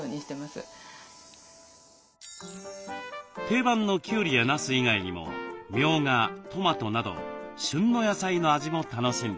定番のきゅうりやなす以外にもみょうがトマトなど旬の野菜の味も楽しんでいます。